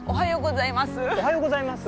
おはようございます。